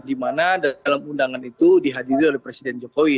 dimana dalam undangan itu dihadiri oleh presiden jokowi